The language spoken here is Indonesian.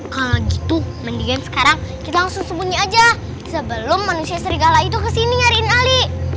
kalau gitu mendingan sekarang kita langsung sembunyi aja sebelum manusia serigala itu kesini nyariin ali